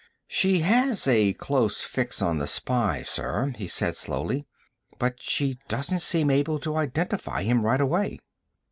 "She has a close fix on the spy, sir," he said slowly, "but she doesn't seem able to identify him right away."